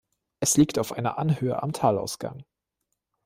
Es liegt auf einer Anhöhe am Talausgang.